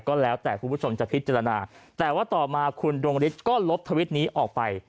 คุณผู้ชมจะพิจารณาแต่ว่าต่อมาคุณดวงฤทธิ์ก็ลบทวิตนี้ออกไป